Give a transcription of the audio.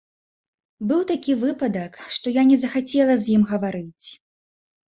Быў такі выпадак, што я не захацела з ім гаварыць.